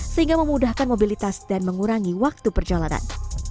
sehingga memudahkan mobilitas dan mengurangi waktu perjalanan